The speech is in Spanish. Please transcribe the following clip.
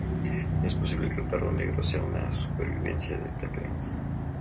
Es posible que el perro negro sea una supervivencia de estas creencias.